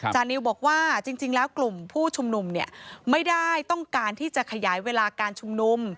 จานิวบอกว่าจริงแล้วกลุ่มผู้ชุมนุมเนี่ยไม่ได้ต้องการที่จะขยายเวลาการชุมนุม